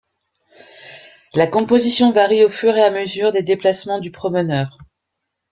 La composition varie au fur et à mesure des déplacements du promeneur.